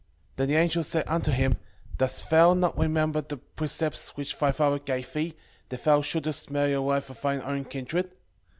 6:15 Then the angel said unto him, Dost thou not remember the precepts which thy father gave thee, that thou shouldest marry a wife of thine own kindred?